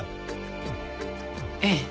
ええ。